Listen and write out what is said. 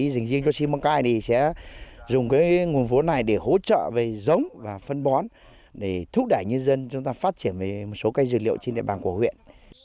riêng cho simacai thì sẽ dùng nguồn vốn này để hỗ trợ về giống và phân bón để thúc đẩy nhân dân chúng ta phát triển về một số cây dược liệu trên địa bàn của huyện